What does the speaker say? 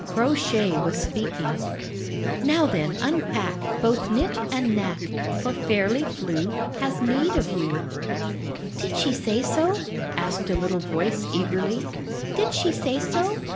Crow Shay was speaking — "Now then unpack, Both Knit and Knack, For Fairly Flew Has need of you." "HI)" "Did she say so?" asked a little voice eagerly. "Did she say so?"